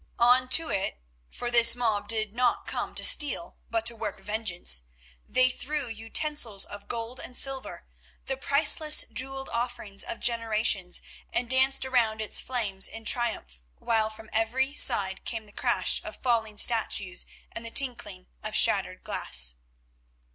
On to it—for this mob did not come to steal but to work vengeance—they threw utensils of gold and silver, the priceless jewelled offerings of generations, and danced around its flames in triumph, while from every side came the crash of falling statues and the tinkling of shattered glass.